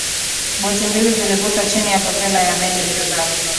boti mbili zilivutwa chini ya propela ya meli inayozama